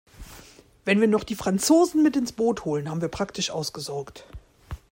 Wenn wir noch die Franzosen mit ins Boot holen, haben wir praktisch ausgesorgt.